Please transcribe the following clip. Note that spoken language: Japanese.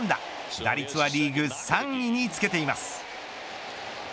打率はリーグ３位につけています。